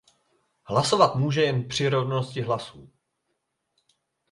Hlasovat může jen při rovnosti hlasů.